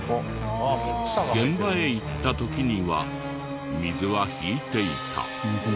現場へ行った時には水は引いていた。